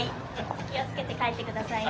気を付けて帰ってくださいね。